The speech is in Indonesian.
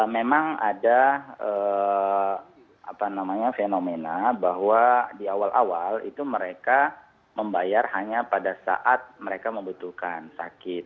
memang ada fenomena bahwa di awal awal itu mereka membayar hanya pada saat mereka membutuhkan sakit